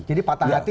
jadi patah hati